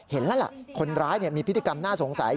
เห็นแล้วล่ะคนร้ายมีพฤติกรรมน่าสงสัย